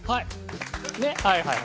はい。